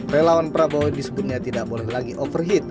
relawan prabowo disebutnya tidak boleh lagi overheat